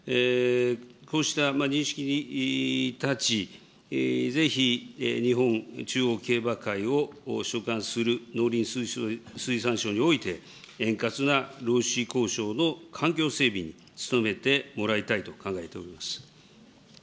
こうした認識に立ち、ぜひ日本中央競馬会を所管する農林水産省において、円滑な労使交渉の環境整備に努めてもらいたいと考えております。